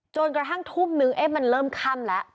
จนกระทั่งทุ่มนึงมันเริ่มค่ำแล้ว